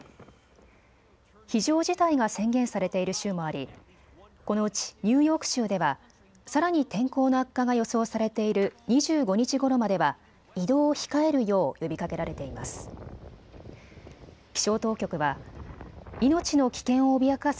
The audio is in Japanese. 非常事態が宣言されている州もありこのうちニューヨーク州ではさらに天候の悪化が予想されている２５日ごろまでは移動を控えるよう呼びかけられています。